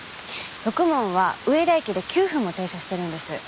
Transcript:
ろくもんは上田駅で９分も停車してるんです。